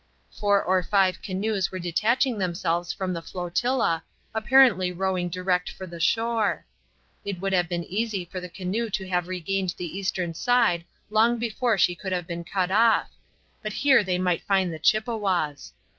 Four or five canoes were detaching themselves from the flotilla, apparently rowing direct for the shore. It would have been easy for the canoe to have regained the eastern side long before she could have been cut off, but here they might find the Chippewas.